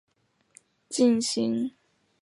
进行性脊肌萎缩仅由脊髓前角细胞变性所致。